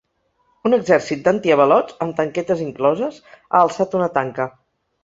Un exèrcit d’antiavalots, amb tanquetes incloses, ha alçat una tanca.